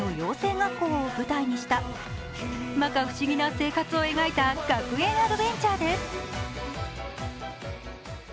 学校を舞台にしたまか不思議な生活を描いた学園アドベンチャーです。